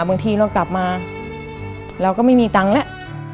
บางทีเรากลับมาเราก็ไม่มีตังค์แล้ว